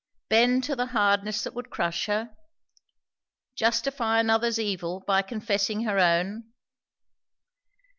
Bend to the hardness that would crush her? Justify another's evil by confessing her own?